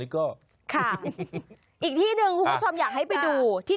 เออไปดูหน่อยแล้วก็ท่านคัยสวัสดี